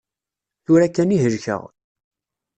Tura kan i helkeɣ.